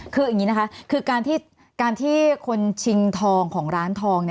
คืออย่างนี้นะคะคือการที่คนชิงทองของร้านทอง